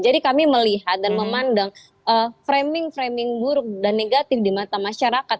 jadi kami melihat dan memandang framing framing buruk dan negatif di mata masyarakat